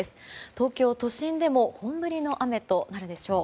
東京都心でも本降りの雨となるでしょう。